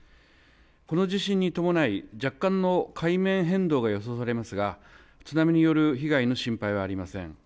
この地震に伴い若干の海面変動が予想されますが津波による被害の心配はありません。